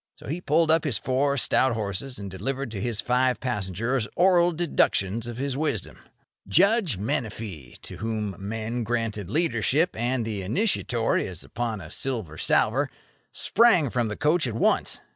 So he pulled up his four stout horses, and delivered to his five passengers oral deductions of his wisdom. Judge Menefee, to whom men granted leadership and the initiatory as upon a silver salver, sprang from the coach at once.